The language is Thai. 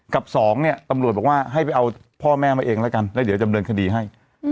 สองเนี่ยตำรวจบอกว่าให้ไปเอาพ่อแม่มาเองแล้วกันแล้วเดี๋ยวจำเนินคดีให้